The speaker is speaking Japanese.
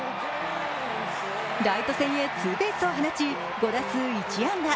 ライト線へツーベースを放ち、５打数１安打。